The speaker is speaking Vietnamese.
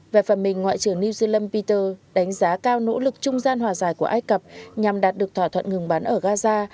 về phần mình ngoại trưởng new zealand peter đánh giá cao nỗ lực trung gian hòa giải của ai cập nhằm đạt được thỏa thuận ngừng bắn ở gaza